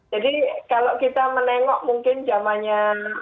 jadi kalau kita menengok mungkin zamannya